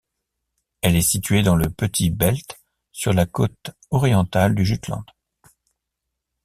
Elle est située dans le Petit Belt, sur la côte orientale du Jutland.